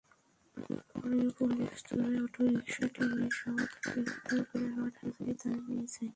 পরে পুলিশ চোরাই অটোরিকশাটিসহ তাঁকে গ্রেপ্তার করে হাটহাজারী থানায় নিয়ে যায়।